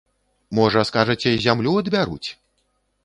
Можа, скажаце, зямлю адбяруць?